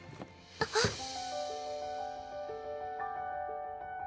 あっ！